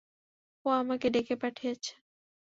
ও আমাকে ডেকে পাঠিয়েছে।